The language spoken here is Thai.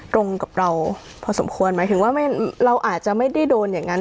ตรงกับเราพอสมควรหมายถึงว่าเราอาจจะไม่ได้โดนอย่างนั้น